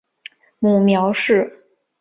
母苗氏。